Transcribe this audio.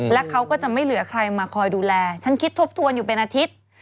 และเขาก็จะไม่เหลือใครมาคอยดูแลฉันคิดทบทวนอยู่เป็นอาทิตย์